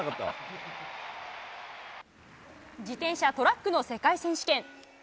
自転車トラックの世界選手権。